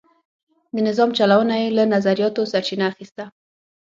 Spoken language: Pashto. د نظام چلونه یې له نظریاتو سرچینه اخیسته.